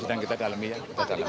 sedang kita dalami ya kita dalami